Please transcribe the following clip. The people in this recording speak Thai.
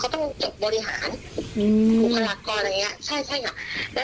เขาต้องจบบริหารบุคลากรอะไรอย่างนี้ใช่อ่ะ